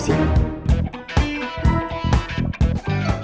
siapa gue maksudnya